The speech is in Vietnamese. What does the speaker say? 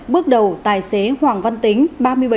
bước đầu tài xế hoàng văn tính